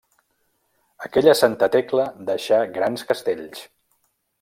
Aquella Santa Tecla deixà grans castells.